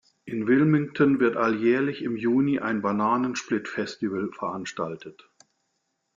In Wilmington wird alljährlich im Juni ein Bananensplit-Festival veranstaltet.